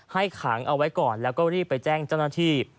ขังเอาไว้ก่อนแล้วก็รีบไปแจ้งเจ้าหน้าที่